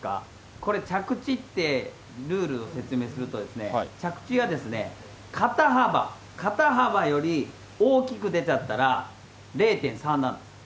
これ、着地って、ルールを説明すると着地がですね、肩幅、肩幅より大きく出ちゃったら０．３なんです。